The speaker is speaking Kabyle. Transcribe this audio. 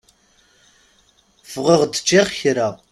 Ffɣeɣ-d ččiɣ kra.